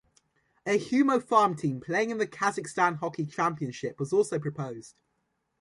A Humo farm team playing in the Kazakhstan Hockey Championship was also proposed.